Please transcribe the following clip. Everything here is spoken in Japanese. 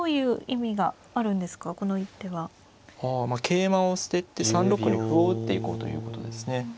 桂馬を捨てて３六に歩を打っていこうということですね。